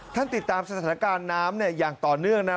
ติดตามสถานการณ์น้ำอย่างต่อเนื่องนะ